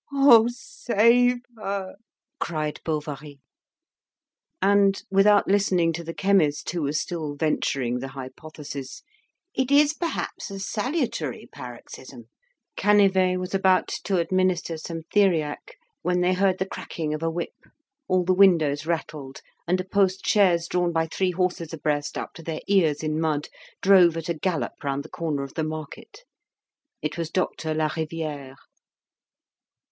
"Oh, save her!" cried Bovary. And, without listening to the chemist, who was still venturing the hypothesis, "It is perhaps a salutary paroxysm," Canivet was about to administer some theriac, when they heard the cracking of a whip; all the windows rattled, and a post chaise drawn by three horses abreast, up to their ears in mud, drove at a gallop round the corner of the market. It was Doctor Lariviere.